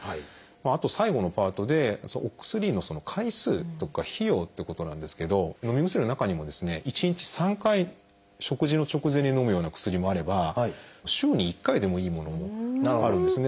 あと最後のパートでお薬の回数とか費用ってことなんですけどのみ薬の中にも１日３回食事の直前にのむような薬もあれば週に１回でもいいものもあるんですね。